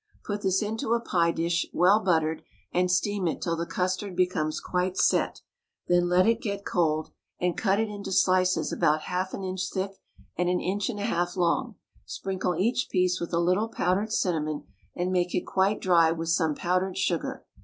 Put this into a pie dish, well buttered, and steam it till the custard becomes quite set; then let it get cold, and cut it into slices about half an inch thick and an inch and a half long, sprinkle each piece with a little powdered cinnamon, and make it quite dry with some powdered sugar.